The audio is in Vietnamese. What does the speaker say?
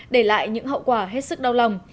để lại những hậu quả hết sức đau lòng